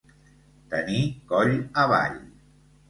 Tenir coll avall.